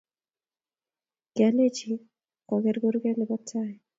Kialenchi koker kurget nebo tai